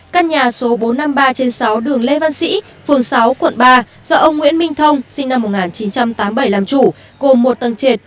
căn nhà số bốn trăm năm mươi ba trên sáu đường lê văn sĩ phường sáu quận ba do ông nguyễn minh thông sinh năm một nghìn chín trăm tám mươi bảy làm chủ gồm một tầng trệt